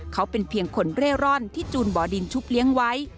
เขาเป็นเพียงคนเร่ร่อนที่จูนบ่อดินชุบเลี้ยงไว้